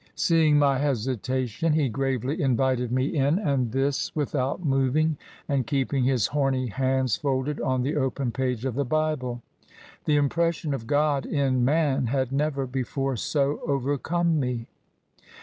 Seeing my hesitation, he gravely invited me in, .• 24 TRANSITION. and this without moving, and keeping his homy hands folded on the open page of the Bible. The impression of God in man had never before so overcome me.